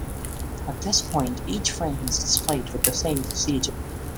At this point each frame is displayed with the same procedure.